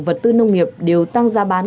vật tư nông nghiệp đều tăng ra bán